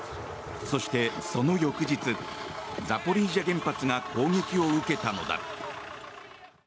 そして、その翌日ザポリージャ原発が攻撃を受けたのだ。